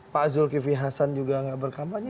pak zulkifli hasan juga nggak berkampanye